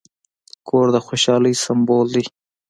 کور د خوشحالۍ سمبول دی.